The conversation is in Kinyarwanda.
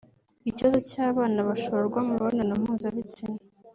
ikibazo cy’abana bashorwa mu mibonano mpuzabitsina